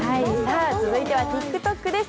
続いてはＴｉｋＴｏｋです。